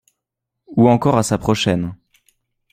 Ou encore à sa prochaine.